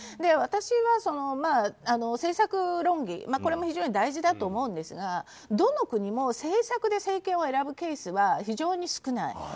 私は政策論議も非常に大事だと思いますがどの国も政策で政権を選ぶケースは非常に少ない。